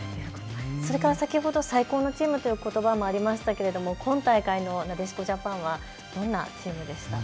それから先ほど最高のチームということばもありましたけど今回のなでしこジャパンはどんなチームでしたか。